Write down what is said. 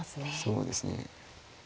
そうですね。